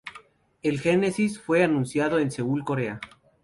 El Genesis fue anunciado en Seúl, Corea.